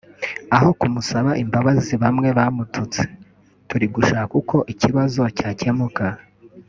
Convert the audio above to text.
Aho kumusaba imbabazi bamwe bamututse […] turi gushaka uko ikibazo cyakemuka